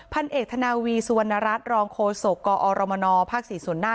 พันเอกธนาวีสุวรรณรัฐรองโฆษกกอรมนภ๔ส่วนหน้า